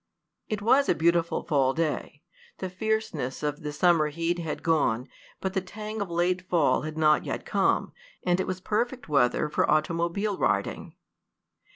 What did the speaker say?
It was a beautiful fall day. The fierceness of the summer heat had gone, but the tang of late fall had not yet come, and it was perfect weather for automobile riding.